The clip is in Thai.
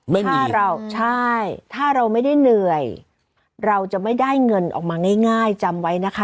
ถ้าเราใช่ถ้าเราไม่ได้เหนื่อยเราจะไม่ได้เงินออกมาง่ายจำไว้นะคะ